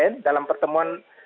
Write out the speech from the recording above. kemarin dalam pertemuan